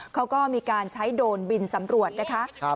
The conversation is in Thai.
เขาก็มีการใช้โดรนบินสำรวจนะคะ